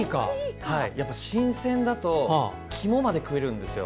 やっぱり新鮮だと肝まで食えるんですよ。